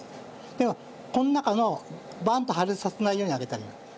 でもこの中のバーンと破裂させないように揚げたらいいわけ。